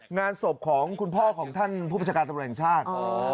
งานศพของคุณพ่อของท่านผู้ประชาการตำรวจแห่งชาติ